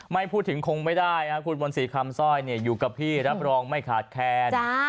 ไม่พูดถึงคงไม่ได้ครับคุณมนต์ศรีคำซ่อยอยู่กับพี่รับรองไม่ขาดแคลน